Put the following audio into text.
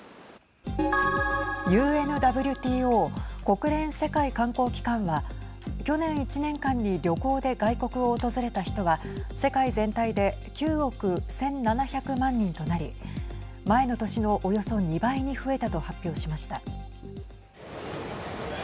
ＵＮＷＴＯ＝国連世界観光機関は去年１年間に旅行で外国を訪れた人は世界全体で９億１７００万人となり前の年のおよそ２倍に増えたと発表しました。